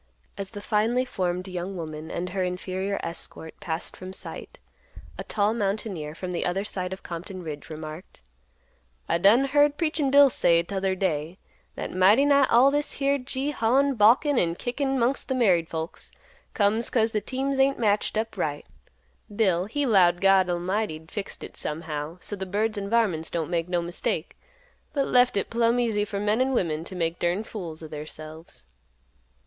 As the finely formed young woman and her inferior escort passed from sight, a tall mountaineer, from the other side of Compton Ridge, remarked, "I done heard Preachin' Bill say t'other day, that 'mighty nigh all this here gee hawin', balkin', and kickin' 'mongst th' married folks comes 'cause th' teams ain't matched up right.' Bill he 'lowed God 'lmighty 'd fixed hit somehow so th' birds an' varmints don't make no mistake, but left hit plumb easy for men an' women t' make durned fools o' theirselves."